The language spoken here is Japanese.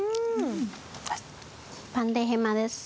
バンディヘマです。